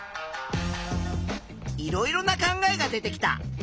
いろいろな考えが出てきた。